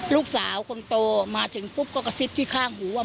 ลูกสาวคนโตมาถึงปุ๊บก็กระซิบที่ข้างหูว่า